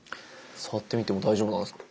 触ってみても大丈夫なんですか？